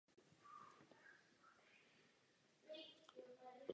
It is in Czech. Zasedl do výboru pro zahraniční záležitosti a obranu a výboru pro ekonomické záležitosti.